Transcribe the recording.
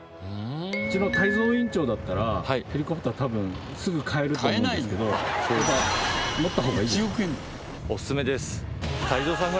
うちの泰造委員長だったらヘリコプター多分すぐ買えると思うんですけどやっぱ持った方がいいですか？